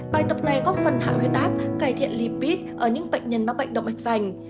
bài tập này góp phần hạ huyết áp cải thiện libit ở những bệnh nhân mắc bệnh động mạch vành